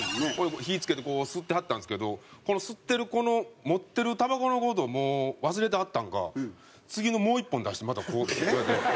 火つけてこう吸ってはったんですけど吸ってるこの持ってるたばこの事をもう忘れてはったんか次のもう１本出してまたこうこうやって。